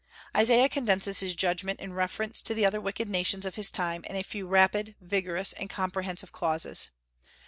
Isaiah condenses his judgment in reference to the other wicked nations of his time in a few rapid, vigorous, and comprehensive clauses.